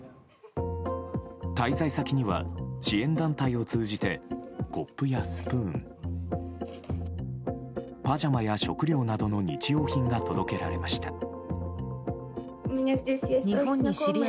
滞在先には、支援団体を通じてコップやスプーンパジャマや食料などの日用品が届けられました。